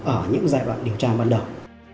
ở những giai đoạn điều tra ban đầu